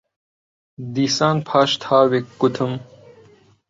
دیسان پاش تاوێک گوتم: